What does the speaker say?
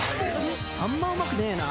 あんまうまくねえな。